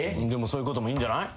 そういうこともいいんじゃない。